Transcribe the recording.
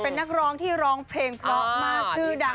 เป็นนักร้องที่ร้องเพลงเพราะมากชื่อดัง